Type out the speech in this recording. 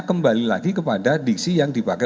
kembali lagi kepada diksi yang dipakai